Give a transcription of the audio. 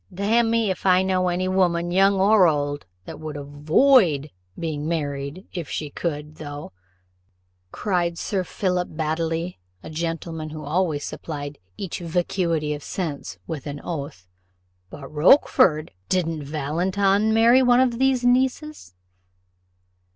"Damn me if I know any woman, young or old, that would avoid being married, if she could, though," cried Sir Philip Baddely, a gentleman who always supplied "each vacuity of sense" with an oath: "but, Rochfort, didn't Valleton marry one of these nieces?"